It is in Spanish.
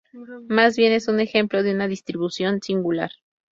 Más bien es un ejemplo de una distribución singular.